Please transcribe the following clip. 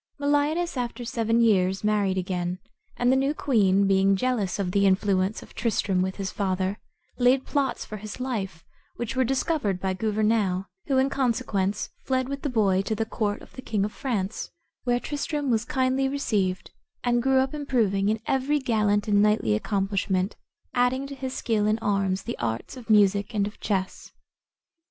Meliadus after seven years married again, and the new queen, being jealous of the influence of Tristram with his father, laid plots for his life, which were discovered by Gouvernail, who in consequence fled with the boy to the court of the king of France, where Tristram was kindly received, and grew up improving in every gallant and knightly accomplishment, adding to his skill in arms the arts of music and of chess.